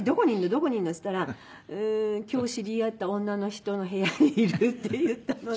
どこにいるの？」って言ったら「今日知り合った女の人の部屋にいる」って言ったので。